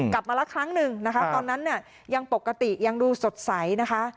กลับมาละครั้งหนึ่งนะคะตอนนั้นเนี่ยยังปกติยังดูสดใสนะคะ